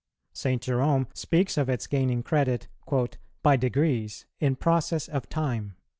St. Jerome speaks of its gaining credit "by degrees, in process of time."